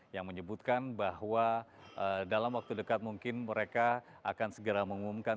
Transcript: yang menyebutkan bahwa dalam waktu dekat mungkin mereka akan segera mengumumkan